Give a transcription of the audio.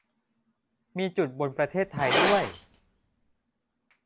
มีจุดบนประเทศไทยด้วย